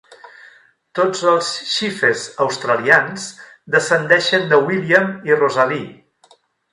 Tots els Sheaffes australians descendeixen de William i Rosalie.